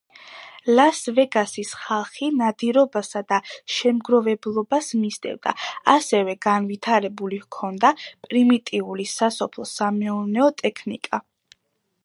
ლას-ვეგასის ხალხი ნადირობასა და შემგროვებლობას მისდევდა, ასევე განვითარებული ჰქონდა პრიმიტიული სასოფლო-სამეურნეო ტექნიკა.